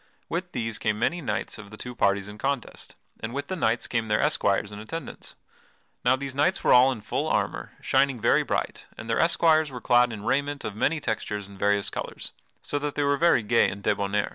With these came many knights of the two parties in contest, and with the knights came their esquires in attendance. Now these knights were all in full armor, shining very bright, and the esquires were clad in raiment of many textures and various colors, so that they were very gay and debonair.